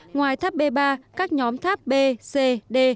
ngoài tháp b ba các nhóm tháp b c d